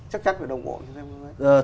chắc chắn phải đồng bộ theo hướng ấy